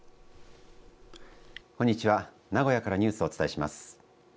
こんにちは、名古屋からニュースをお伝えします。